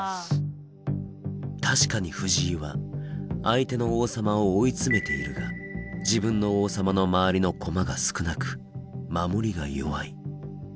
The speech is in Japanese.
確かに藤井は相手の王様を追い詰めているが自分の王様の周りの駒が少なく守りが弱い。